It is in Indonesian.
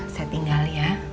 saya tinggal ya